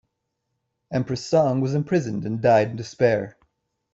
Empress Song was imprisoned and died in despair.